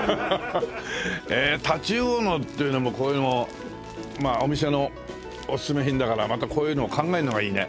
タチウオのっていうのもこういうのもまあお店のおすすめ品だからまたこういうのを考えるのがいいね。